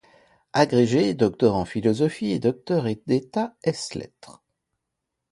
Agrégé, docteur en philosophie et docteur d'État ès-lettres.